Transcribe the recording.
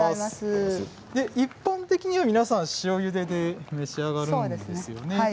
一般的には皆さん塩ゆでで召し上がるんですよね。